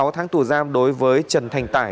sáu tháng tù giam đối với trần thành tải